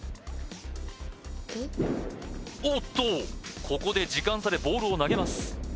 おっとここで時間差でボールを投げます